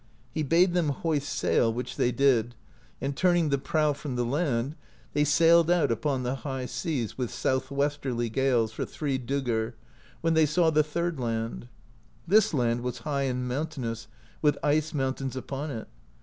He bade them hoist sail, which they did, and turning the prow from the land they sailed out upon the high seas, with southwesterly gales, for three "doegr/* when they saw the third land; this land was high and mountainous, with ice mountains upon it (64).